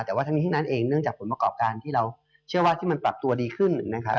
แต่ว่าทั้งนี้ทั้งนั้นเองเนื่องจากผลประกอบการที่เราเชื่อว่าที่มันปรับตัวดีขึ้นนะครับ